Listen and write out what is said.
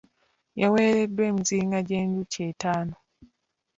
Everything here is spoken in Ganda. Yaweereddwa emizinga gy'enjuki ettaano .